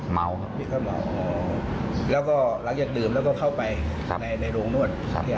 มาวครับแล้วก็รักอย่างดื่มแล้วเข้าไปในโรงนวด